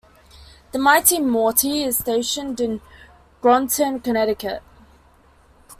The "Mighty Monty" is stationed in Groton, Connecticut.